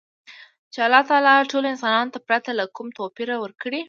چـې اللـه تعـالا ټـولـو انسـانـانـو تـه ،پـرتـه لـه کـوم تـوپـيره ورکـړى.